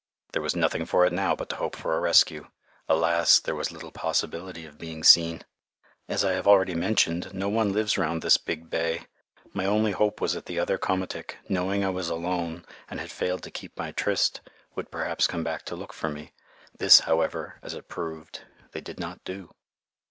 There was nothing for it now but to hope for a rescue. Alas! there was little possibility of being seen. As I have already mentioned, no one lives around this big bay. My only hope was that the other komatik, knowing I was alone and had failed to keep my tryst, would perhaps come back to look for me. This, however, as it proved, they did not do.